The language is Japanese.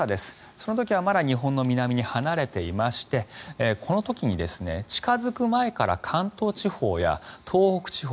その時はまだ日本の南に離れていましてこの時に近付く前から関東地方や東北地方